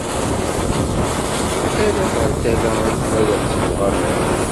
ara ɣer tala akken ad am ssweɣ aman. »